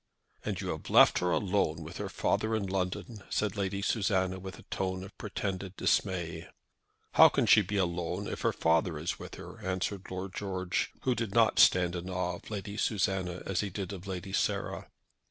"And you have left her alone with her father in London," said Lady Susanna, with a tone of pretended dismay. "How can she be alone if her father is with her," answered Lord George, who did not stand in awe of Lady Susanna as he did of Lady Sarah.